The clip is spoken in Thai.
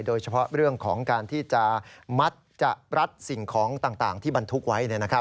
โดยเฉพาะเรื่องของการที่จะมัดจะรัดสิ่งของต่างที่บรรทุกไว้